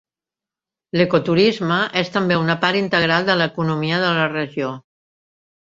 L'ecoturisme és també una part integral de l'economia de la regió.